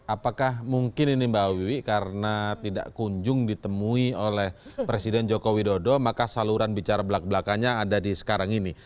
apakah mungkin ini mbak wiwi karena tidak kunjung ditemui oleh presiden joko widodo maka saluran bicara belak belakannya ada di sekarang ini